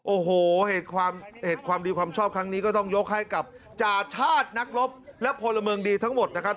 โอ้โหเหตุความดีความชอบครั้งนี้ก็ต้องยกให้กับจาชาตินักรบและพลเมืองดีทั้งหมดนะครับ